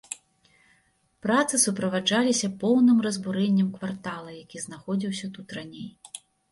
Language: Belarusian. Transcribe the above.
Працы суправаджаліся поўным разбурэннем квартала, які знаходзіўся тут раней.